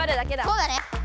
そうだね！